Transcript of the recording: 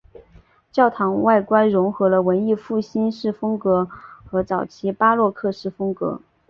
教堂外观揉合了文艺复兴式风格和早期巴洛克式风格。